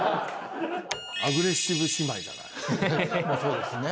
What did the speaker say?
アグレッシブ姉妹だから。